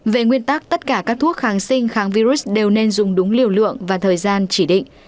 về nguyên tắc tất cả các thuốc kháng sinh kháng virus đều nên dùng đúng liều lượng và thời gian chỉ định